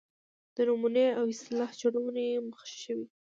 د نومونې او اصطلاح جوړونې مغشوشوي.